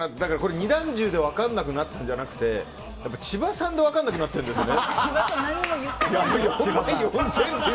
二段重で分かんなくなったんじゃなくてやっぱり千葉産で分からなくなってるんですよね。